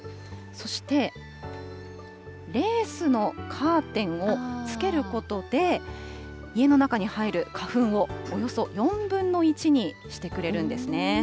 そして、レースのカーテンをつけることで、家の中に入る花粉をおよそ４分の１にしてくれるんですね。